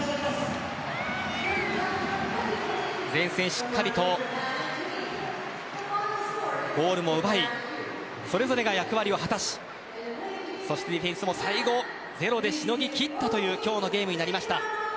前線、しっかりとゴールも奪いそれぞれが役割を果たしそして、ディフェンスも最後、ゼロでしのぎ切ったという今日のゲームになりました。